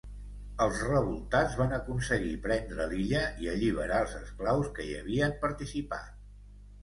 Els revoltats van aconseguir prendre l'illa i alliberar els esclaus que hi havien participat.